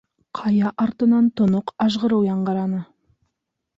Ҡая артынан тоноҡ ажғырыу яңғыраны.